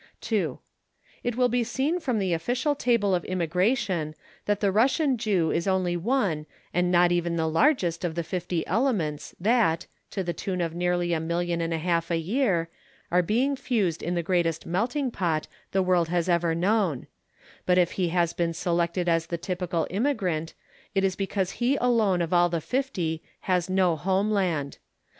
II It will be seen from the official table of immigration that the Russian Jew is only one and not even the largest of the fifty elements that, to the tune of nearly a million and a half a year, are being fused in the greatest "Melting Pot" the world has ever known; but if he has been selected as the typical immigrant, it is because he alone of all the fifty has no homeland.